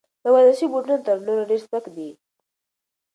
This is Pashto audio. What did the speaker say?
دا ورزشي بوټونه تر نورو ډېر سپک دي.